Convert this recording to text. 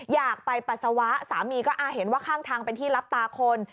อยากไปปัสสาวะสามีก็อาเห็นว่าข้างทางเป็นที่รับตาคน